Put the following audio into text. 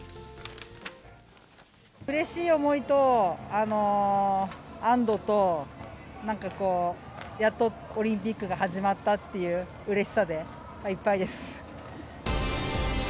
うれしい思いと、安どと、なんかこう、やっとオリンピックが始まったっていううれしさでいっぱいです。